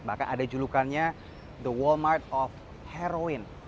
bahkan ada julukannya the walmart of heroin